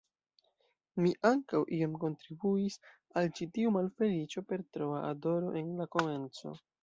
Mi ankaŭ iom kontribuis al ĉi tiu malfeliĉo per troa adoro en la komenco.